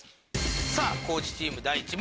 さぁ地チーム第１問。